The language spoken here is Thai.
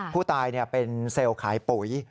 ผู้ตายเป็นเซลล์ขายปุ๋ย